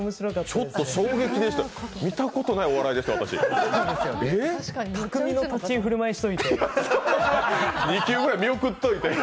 ちょっと衝撃でしたよ、見たことないお笑いでしたよ。